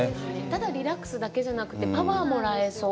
ただリラックスだけじゃなくて、パワーがもらえそう。